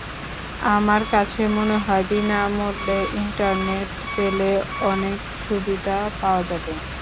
আমার কাছে মনে হয়, বিনা মূল্যে ইন্টারনেট পেলে অনেক সুবিধা পাওয়া যাবে।